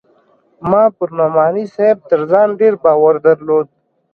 ما پر نعماني صاحب تر ځان ډېر باور درلود.